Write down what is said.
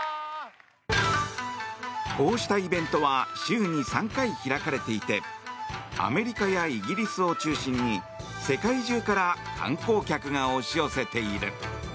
こうしたイベントは週に３回開かれていてアメリカやイギリスを中心に世界中から観光客が押し寄せている。